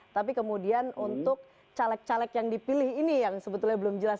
tapi kemudian untuk caleg caleg yang dipilih ini yang sebetulnya belum jelas